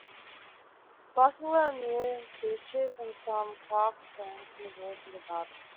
Bartholomew features in some carved stones in the walls of the garden.